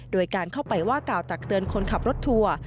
โดยการเข้าไปว่ากล่าวตักเตือนคนขับรถทัวร์